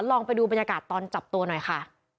ลองไปดูบรรยากาศตอนจับตัวหน่อยค่ะ